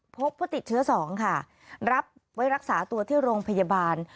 พบผู้ติดเชื้อ๒ค่ะรับไว้รักษาตัวที่โรงพยาบาล